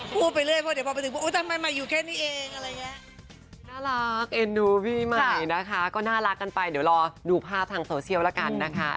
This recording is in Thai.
พูดไปเรื่อยเดี๋ยวพอไปถึงว่าทำไมมันอยู่แค่นี้เอง